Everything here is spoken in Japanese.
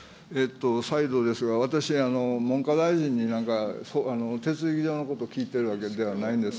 再度ですが、私、文科大臣に、なんか手続き上のことを聞いてるわけではないんです。